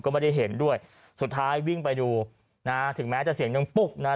ก็ไม่ได้เห็นด้วยสุดท้ายวิ่งไปดูนะฮะถึงแม้จะเสียงหนึ่งปุ๊บนะฮะ